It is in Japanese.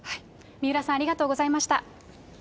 三浦さん、ありがとうございました。